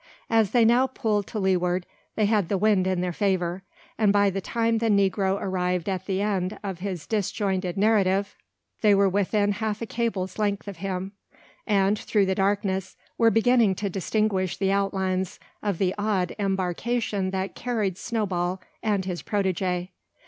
As they now pulled to leeward, they had the wind in their favour; and by the time the negro arrived at the end of his disjointed narrative, they were within half a cable's length of him, and, through the darkness, were beginning to distinguish the outlines of the odd embarkation that carried Snowball and his protege.